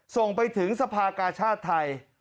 ส่งไปถึงสภากาชาติไทย